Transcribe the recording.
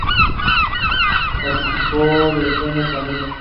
Participó de Sueña Conmigo.